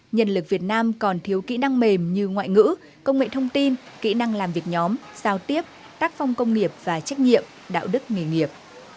nhân lực việt nam còn thiếu kỹ năng mềm như ngoại ngữ công nghệ thông tin kỹ năng làm việc nhóm giao tiếp tác phong công nghiệp và trách nhiệm đạo đức nghề nghiệp